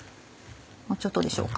もうちょっとでしょうか？